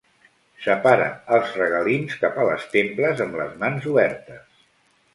Separa els regalims cap a les temples amb les mans obertes.